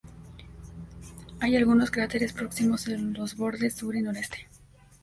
Hay algunos cráteres próximos a los bordes sur y noreste.